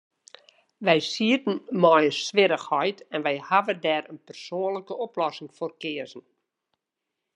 Wy sieten mei in swierrichheid, en wy hawwe dêr in persoanlike oplossing foar keazen.